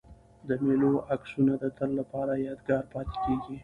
د مېلو عکسونه د تل له پاره یادګار پاته کېږي.